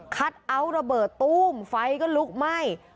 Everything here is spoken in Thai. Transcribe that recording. เอาท์ระเบิดตู้มไฟก็ลุกไหม้